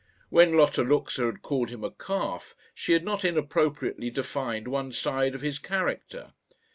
When Lotta Luxa had called him a calf she had not inappropriately defined one side of his character.